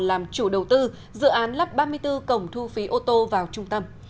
làm chủ đầu tư dự án lắp ba mươi bốn cổng thu phí ô tô vào trung tâm